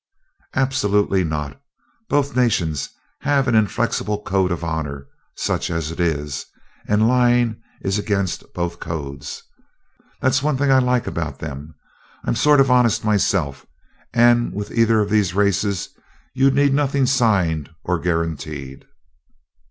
"Absolutely not. Both nations have an inflexible code of honor, such as it is, and lying is against both codes. That's one thing I like about them I'm sort of honest myself, and with either of these races you need nothing signed or guaranteed."